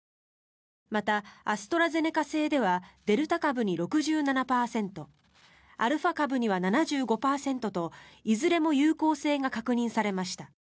また、アストラゼネカ製ではデルタ株に６７％アルファ株には７５％といずれも有効性が確認されました。